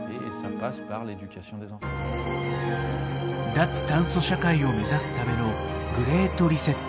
脱炭素社会を目指すための「グレート・リセット」。